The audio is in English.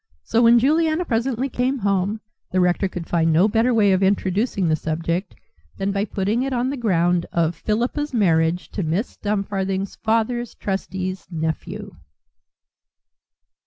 So when Juliana presently came home the rector could find no better way of introducing the subject than by putting it on the ground of Philippa's marriage to Miss Dumfarthing's father's trustee's nephew.